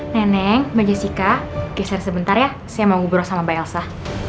neneng mbak jessica geser sebentar ya saya mau ngobrol sama mbak elsa